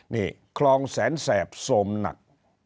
นี่คลองแสนแสบโสมหนัก